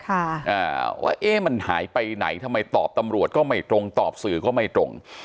อ่าว่าเอ๊ะมันหายไปไหนทำไมตอบตำรวจก็ไม่ตรงตอบสื่อก็ไม่ตรง